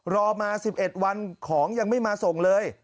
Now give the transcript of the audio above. รอมา๑๑วันของยังไม่มาส่งเลย